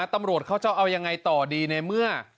ตำรวจเขาจะเอายังไงต่อดีในเมื่อ